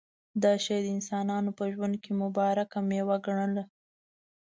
دا شی د انسانانو په ژوند کې مبارکه مېوه وګڼله.